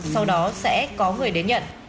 sau đó sẽ có người đến nhận